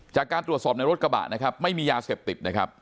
จากการตรวจสอบในรถกระบะนะครับไม่มียาเสพติดนะครับ